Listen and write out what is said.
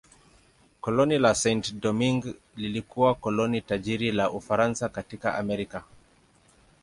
Koloni la Saint-Domingue lilikuwa koloni tajiri la Ufaransa katika Amerika.